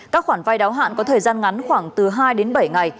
các khoản vay đáo hạn có thời gian ngắn khoảng từ hai đến bảy ngày